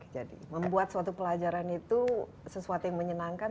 jadi membuat suatu pelajaran itu sesuatu yang menyenangkan